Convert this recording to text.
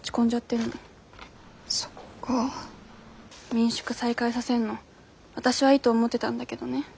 民宿再開させんの私はいいと思ってたんだけどね。